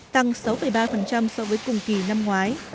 tăng sáu ba so với các dự án